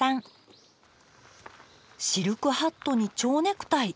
シルクハットに蝶ネクタイ。